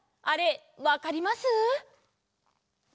あれわかります？